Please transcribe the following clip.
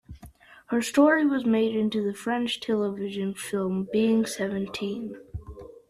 Her story was made into the French television film "Being Seventeen".